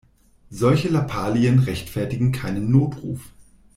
Solche Lappalien rechtfertigen keinen Notruf.